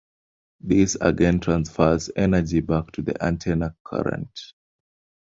This again transfers energy back to the antenna current.